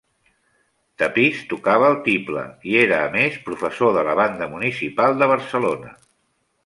Tapis tocava el tible, i era a més professor de la Banda Municipal de Barcelona.